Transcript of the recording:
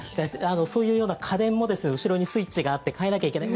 そういうような家電も後ろにスイッチがあって替えなきゃいけない。